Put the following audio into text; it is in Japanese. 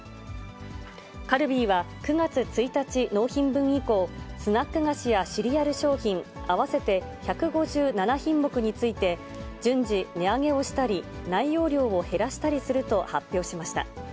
カルビーは９月１日納品分以降、スナック菓子やシリアル商品合わせて１５７品目について、順次、値上げをしたり、内容量を減らしたりすると発表しました。